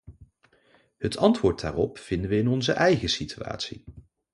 Het antwoord daarop vinden we in onze eigen situatie.